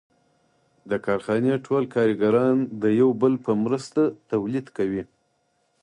د کارخانې ټول کارګران د یو بل په مرسته تولید کوي